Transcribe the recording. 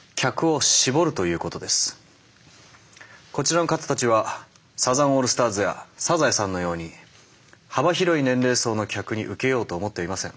こちらの方たちはサザンオールスターズやサザエさんのように幅広い年齢層の客に受けようと思っていません。